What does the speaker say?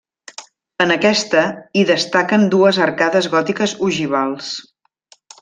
En aquesta, hi destaquen dues arcades gòtiques ogivals.